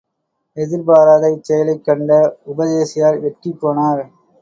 எதிர்பாராத இச்செயலைக் கண்ட உபதேசியார் வெட்கிப் போனார்.